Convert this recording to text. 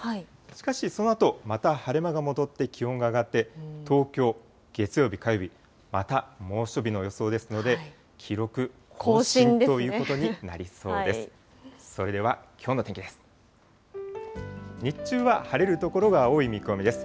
しかしそのあと、また晴れ間が戻って気温が上がって、東京、月曜日、火曜日、また猛暑日の予想ですので、記録更新ということになりそうです。